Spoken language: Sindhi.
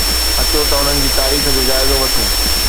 اچو ته انهن جي تاريخ جو جائزو وٺون